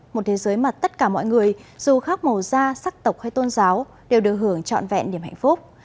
một thế giới mà tất cả mọi người dù khác màu da sắc tộc hay tôn giáo đều được hưởng trọn vẹn niềm hạnh phúc